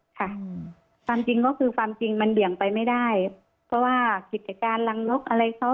ค่ะความจริงก็คือความจริงมันเบี่ยงไปไม่ได้เพราะว่ากิจการรังนกอะไรเขา